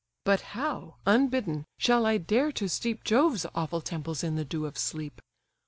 But how, unbidden, shall I dare to steep Jove's awful temples in the dew of sleep?